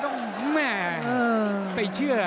ต้องแม่งไปเชื่อ